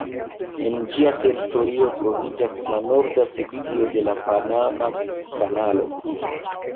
En ĝia teritorio troviĝas la norda sekcio de la Panama kanalo.